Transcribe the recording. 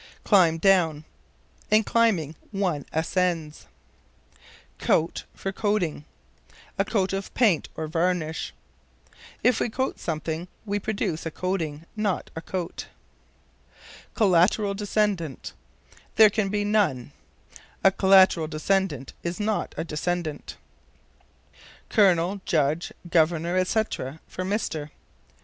Climb down. In climbing one ascends. Coat for Coating. "A coat of paint, or varnish." If we coat something we produce a coating, not a coat. Collateral Descendant. There can be none: a "collateral descendant" is not a descendant. Colonel, Judge, Governor, etc., for Mister.